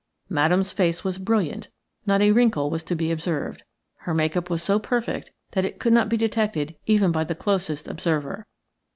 Madame's face was brilliant, not a wrinkle was to be observed; her make up was so perfect that it could not be detected even by the closest observer.